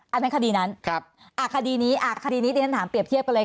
อันนั้นคดีนั้นคดีนี้คดีนี้ดิฉันถามเรียบเทียบกันเลย